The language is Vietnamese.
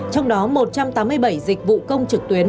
trong đó một trăm tám mươi bảy dịch vụ công trực tuyến